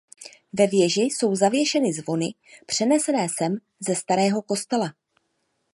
Ve věži jsou zavěšeny zvony přenesené sem ze starého kostela.